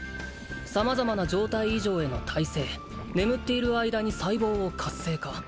「さまざまな状態異常への耐性」「眠っている間に細胞を活性化」